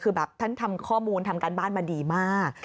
คือแบบท่านทำข้อมูลทำการบ้านมาดีมาก